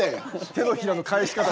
手のひらの返し方が。